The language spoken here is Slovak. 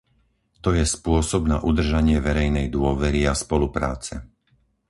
To je spôsob na udržanie verejnej dôvery a spolupráce.